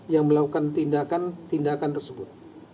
yang melakukan tindakan tindakan tersebut